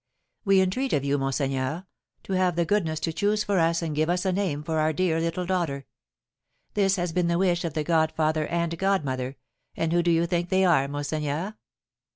We entreat of you, monseigneur, to have the goodness to choose for us and give us a name for our dear little daughter; this has been the wish of the godfather and godmother, and who do you think they are, monseigneur?